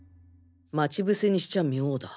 待ち伏せにしちゃ妙だ。